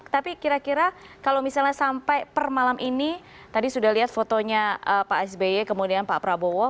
tapi kira kira kalau misalnya sampai per malam ini tadi sudah lihat fotonya pak sby kemudian pak prabowo